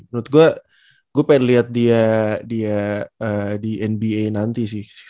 menurut gue gue pengen liat dia di nba nanti sih